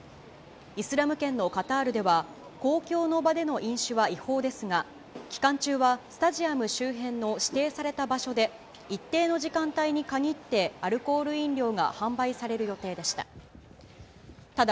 イスラム圏のカタールでは、公共の場での飲酒は違法ですが、期間中はスタジアム周辺の指定された場所で、一定の時間帯に限って、アルコール飲料が販売される予定でした。